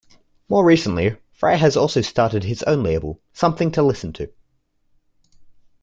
More recently, Fryer has also started his own label, Something To Listen To.